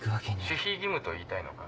☎「守秘義務」と言いたいのか？